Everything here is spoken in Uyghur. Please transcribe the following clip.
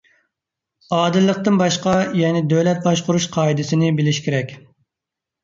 ئادىللىقتىن باشقا، يەنە دۆلەت باشقۇرۇش قائىدىسىنى بىلىش كېرەك.